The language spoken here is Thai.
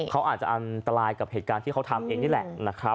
เขาอาจจะอันตรายกับเหตุการณ์ที่เขาทำเองนี่แหละนะครับ